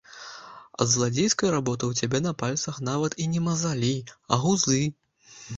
Ад зладзейскай работы ў цябе на пальцах нават і не мазалі, а гузы!